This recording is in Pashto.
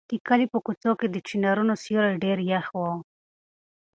د کلي په کوڅو کې د چنارونو سیوري ډېر یخ وو.